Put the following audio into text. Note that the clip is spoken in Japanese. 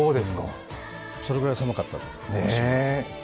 それぐらい寒かったです。